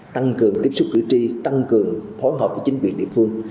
tăng cường tiếp xúc cử tri tăng cường phối hợp với chính quyền địa phương